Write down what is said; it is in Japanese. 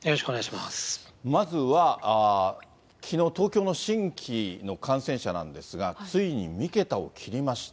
まずは、きのう東京の新規の感染者なんですが、ついに３桁を切りました。